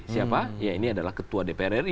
siapa ya ini adalah ketua dprri